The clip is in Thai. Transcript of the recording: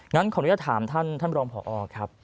งั้นขออนุญาตถามท่านท่านรองพอครับ